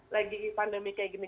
lagi pandemi kayak gini